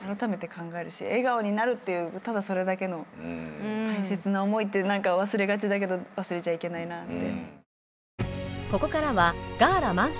笑顔になるっていうただそれだけの大切な思いって忘れがちだけど忘れちゃいけないなって。